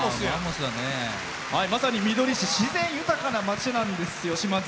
まさにみどり市自然豊かな町なんですよ。